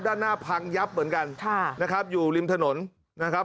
ด้านหน้าพังยับเหมือนกันค่ะนะครับอยู่ริมถนนนะครับ